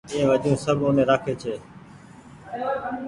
اي وجون سب اوني رآکي ڇي